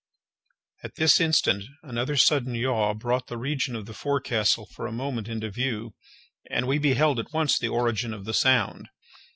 At this instant another sudden yaw brought the region of the forecastle for a moment into view, and we beheld at once the origin of the sound.